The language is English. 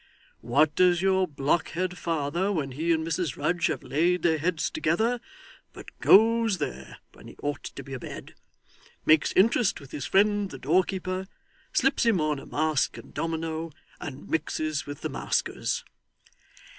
What does your blockhead father when he and Mrs Rudge have laid their heads together, but goes there when he ought to be abed, makes interest with his friend the doorkeeper, slips him on a mask and domino, and mixes with the masquers.